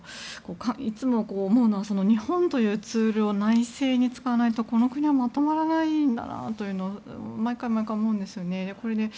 いつも思うのは日本というツールを内政に使わないとこの国はまとまらないんだなと毎回毎回、思うんですよね。